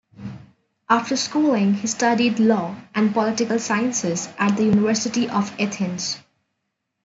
After schooling he studied law and political sciences at the University of Athens.